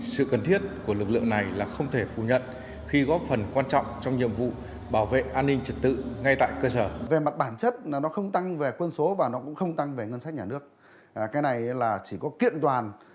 sự cần thiết của lực lượng này là không thể phủ nhận khi góp phần quan trọng trong nhiệm vụ bảo vệ an ninh trật tự ngay tại cơ sở